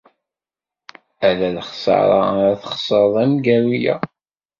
Ala lexṣara ara txeṣred amgaru-a.